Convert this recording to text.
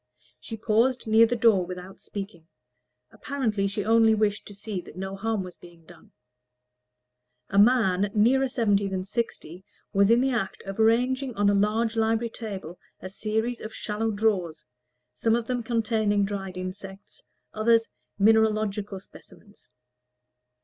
She paused near the door without speaking: apparently she only wished to see that no harm was being done. A man nearer seventy than sixty was in the act of ranging on a large library table a series of shallow drawers, some of them containing dried insects, others mineralogical specimens.